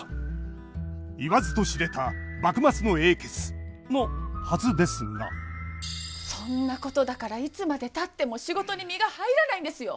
言わずと知れた幕末の英傑！のはずですがそんなことだからいつまでたっても仕事に身が入らないんですよ。